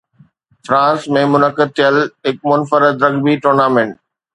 France ۾ منعقد ٿيل هڪ منفرد رگبي ٽورنامينٽ